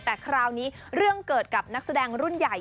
แต่คราวนี้เรื่องเกิดกับนักแสดงรุ่นใหญ่